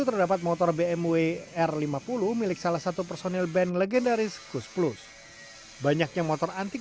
terdapat motor bmw r lima puluh milik salah satu personil band legendaris kus plus banyaknya motor antik